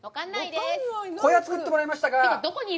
小屋を作ってもらいましたが。